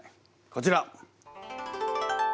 こちら！